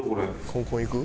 コンコンいく？